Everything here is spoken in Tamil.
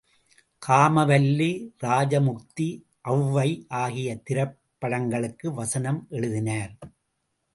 காமவல்லி, ராஜமுக்தி, அவ்வை ஆகிய திரைப்படங்களுக்கு வசனம் எழுதினார்.